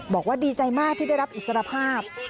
บอกว่าดีใจมากที่ได้รับอิสรภาพ